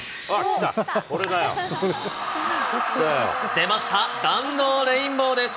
出ました、弾道レインボーです。